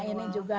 nah ini juga